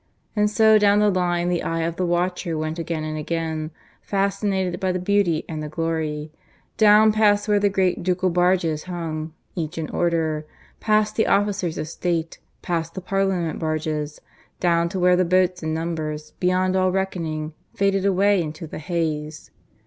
And so down the line the eye of the watcher went again and again, fascinated by the beauty and the glory, down past where the great ducal barges hung, each in order, past the officers of state, past the Parliament barges, down to where the boats, in numbers beyond all reckoning, faded away into the haze.